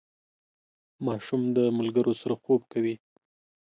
ماشوم د ملګرو سره خوب کوي.